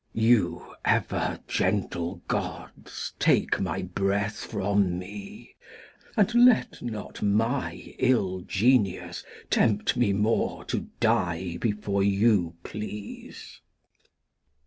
Glost. You ever gentle Gods take my Breath from me, And let not my iU Genius tempt me more To Die before you please.